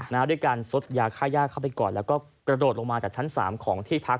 ด้วยการซดยาค่าย่าเข้าไปก่อนแล้วก็กระโดดลงมาจากชั้นสามของที่พัก